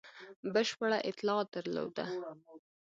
بشپړه اطلاع درلوده.